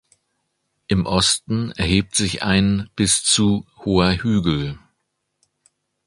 Im Osten erhebt sich ein bis zu hoher Hügel.